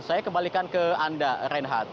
saya kembalikan ke anda reinhardt